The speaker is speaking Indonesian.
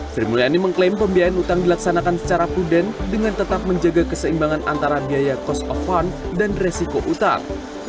sri mulyani mengklaim pembiayaan utang dilaksanakan secara prudent dengan tetap menjaga keseimbangan antara biaya cost of fund dan resiko utang